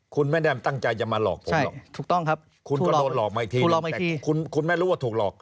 คุณไม่ได้ตั้งใจจะมาหลอก